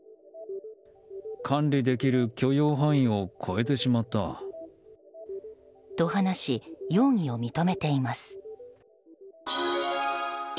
管理できる許容範囲を超えてしまった。と話し、容疑を認めています。